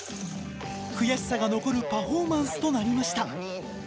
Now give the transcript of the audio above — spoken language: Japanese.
悔しさが残るパフォーマンスとなりました。